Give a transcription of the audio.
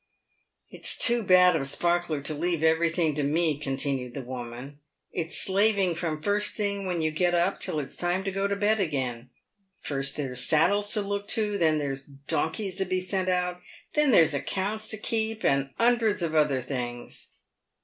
" It's too bad of Sparkler to leave everything to me," continued the woman. " It's slaving from first thing when you get up till it's time to go to bed again. Pirst there's saddles to look to, then there's donkeys to be sent out, then there's accounts to keep, and 'undreds of other things."